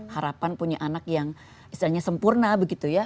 harapan punya anak yang istilahnya sempurna begitu ya